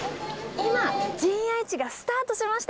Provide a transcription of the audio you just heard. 今、陣屋市がスタートしました。